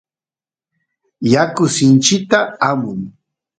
yaku sinchita amun